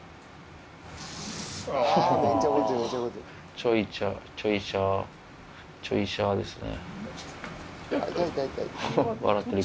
ちょい「シャ」ちょい「シャ」ちょい「シャ」ですね。